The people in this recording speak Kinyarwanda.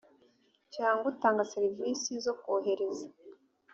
cy utanga serivisi zo kohereza